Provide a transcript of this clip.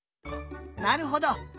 なるほど！